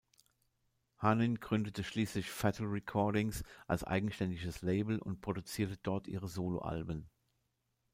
Hanin gründete schließlich Fatal Recordings als eigenständiges Label und produzierte dort ihre Soloalben.